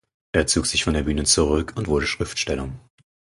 Er zog sich von der Bühne zurück und wurde Schriftsteller.